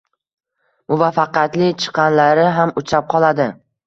Muvaffaqiyatli chiqqanlari ham uchrab qoladi